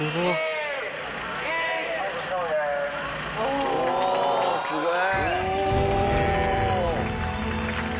おぉすげえ。